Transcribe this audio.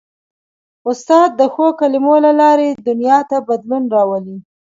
استاد د ښو کلمو له لارې دنیا ته بدلون راولي.